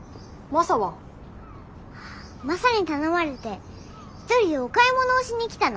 マサに頼まれて１人でお買い物をしに来たの。